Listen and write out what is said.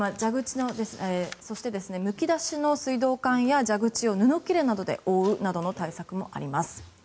そしてむき出しの水道管や蛇口を布切れなどで覆うなどの対策もあります。